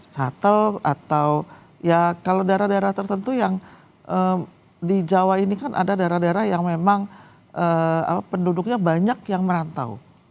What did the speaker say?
shuttle atau ya kalau daerah daerah tertentu yang di jawa ini kan ada daerah daerah yang memang penduduknya banyak yang merantau